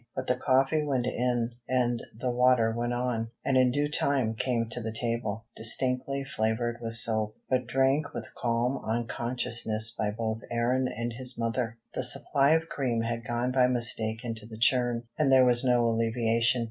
But the coffee went in, and the water went on, and in due time came to the table, distinctly flavored with soap, but drank with calm unconsciousness by both Aaron and his mother. The supply of cream had gone by mistake into the churn, and there was no alleviation.